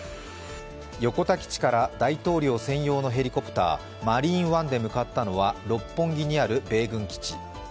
横田基地から大統領専用のヘリコプター、マリーンワンで向かったのは六本木にある米軍基地。